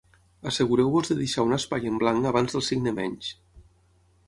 Assegureu-vos de deixar un espai en blanc abans del signe menys.